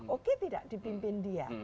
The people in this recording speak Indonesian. oke tidak dipimpin dia